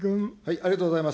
ありがとうございます。